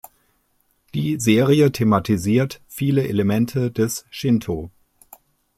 Die Serie thematisiert viele Elemente des Shintō.